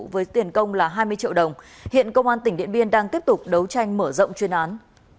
với tiền công là hai mươi triệu đồng hiện công an tỉnh điện biên đang tiếp tục đấu tranh mở rộng chuyên án